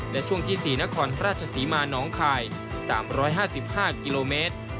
และช่วงที่๔นครราชศรีมาน้องคาย๓๕๕กิโลเมตร